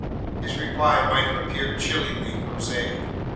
His reply might have appeared chillingly prosaic.